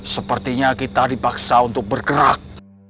sepertinya kita dipaksa untuk bergerak